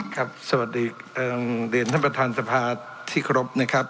ครับสวัสดีเอ่อเดี๋ยวท่านประธานสภาที่ครบนะครับ